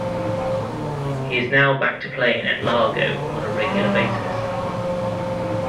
He is now back to playing at Largo on a regular basis.